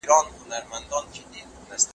ماسوم ته سم اخلاق ور ښودل ضروري دي.